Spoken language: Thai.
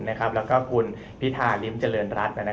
แล้วก็คุณพิธาริมเจริญรัฐ